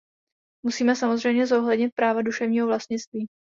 Musíme samozřejmě zohlednit práva duševního vlastnictví.